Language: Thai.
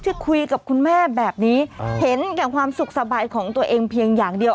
ที่คุยกับคุณแม่แบบนี้เห็นแก่ความสุขสบายของตัวเองเพียงอย่างเดียว